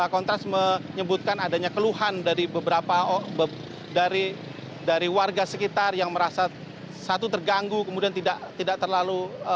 kontras menyebutkan adanya keluhan dari beberapa dari warga sekitar yang merasa satu terganggu kemudian tidak terlalu